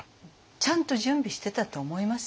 ちゃんと準備してたと思いますよ。